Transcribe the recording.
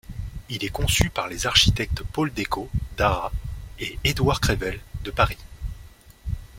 Il est conçu par les architectes Paul Decaux, d'Arras, et Édouard Crevel, de Paris.